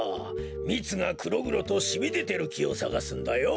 みつがくろぐろとしみでてるきをさがすんだよ。